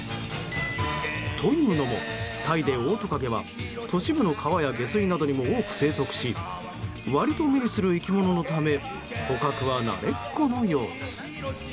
というのも、タイでオオトカゲは都市部の川や下水などにも多く生息し割と目にする生き物のため捕獲は慣れっこのようです。